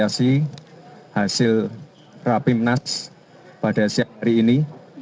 dan saya ingin menerima hasil rapi mnas pada siang hari ini